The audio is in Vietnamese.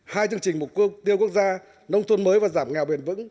hai chương trình mục tiêu quốc gia nông thôn mới và giảm nghèo bền vững